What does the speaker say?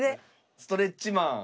ストレッチマン